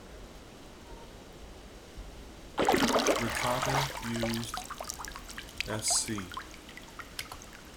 Riccati used Sc.